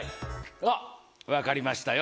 あっ分かりましたよ。